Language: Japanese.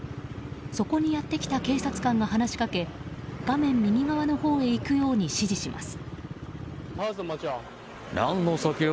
そこにやってきた警察官が話しかけ画面右側のほうに行くように指示します。